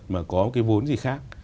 mà có cái vốn gì khác